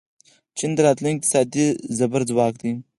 چین د راتلونکي اقتصادي زبرځواک دی.